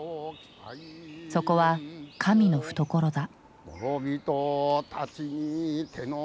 そこは神の懐だ。